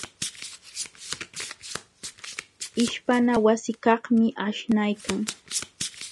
Ishpana wasikaqmi aśhnaykan.